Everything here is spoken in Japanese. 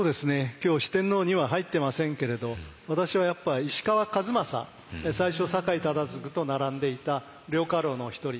今日四天王には入ってませんけれど私はやっぱ石川数正最初酒井忠次と並んでいた両家老の一人。